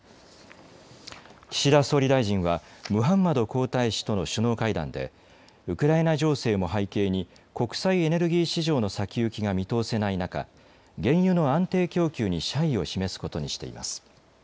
岸田総理大臣はムハンマド皇太子との首脳会談でウクライナ情勢も背景に国際エネルギー市場の先行きが見通せない中、原油の安定供給に謝意を示すことにしています。